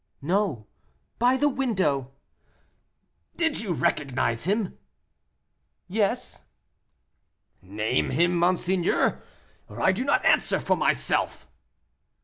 "No, by the window." "Did you recognize him?" "Yes." "Name him, monseigneur, or I do not answer for myself."